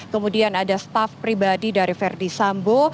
kemudian ada staff pribadi dari verdi sambo